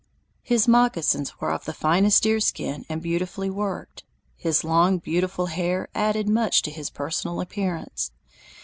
His moccasins were of the finest deerskin and beautifully worked. His long beautiful hair added much to his personal appearance.